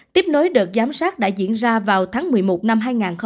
tiếp nối đợt giám sát đã diễn ra vào tháng một mươi một năm hai nghìn hai mươi ba